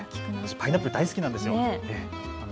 パイナップル大好きなんですよ。